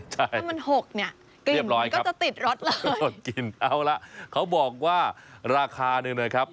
ถ้ามันหกเนี่ยกลิ่นก็จะติดรถเลยเอาละเขาบอกว่าราคาหนึ่งนะครับ